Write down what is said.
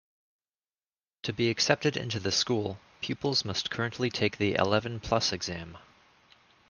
To be accepted into the school, pupils must currently take the Eleven plus exam.